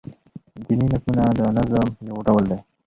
دیني نظمونه دنظم يو ډول دﺉ.